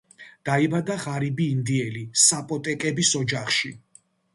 დაიბადა ღარიბი ინდიელი საპოტეკების ოჯახში.